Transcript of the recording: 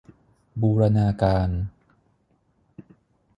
บูรณาการ